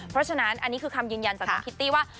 เพราะฉะนั้นอันนี้คือคำยืนยันจากน้องคิตตี้ว่า